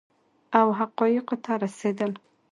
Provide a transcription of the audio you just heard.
او حقایقو ته رسیدل